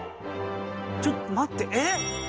ちょっと待ってえ？